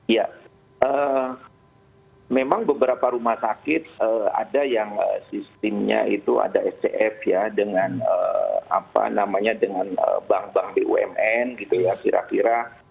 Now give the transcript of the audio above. ya memang beberapa rumah sakit ada yang sistemnya itu ada scf ya dengan apa namanya dengan bank bank bumn gitu ya kira kira